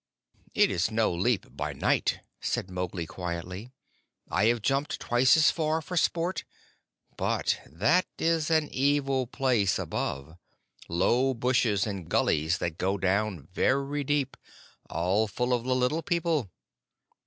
"It is no leap by night," said Mowgli quietly. "I have jumped twice as far for sport; but that is an evil place above low bushes and gullies that go down very deep, all full of the Little People.